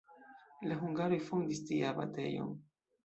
La hungaroj fondis tie abatejon.